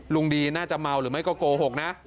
ลุงดีน่าจะเมาหรือไม่ก็โกหกนะ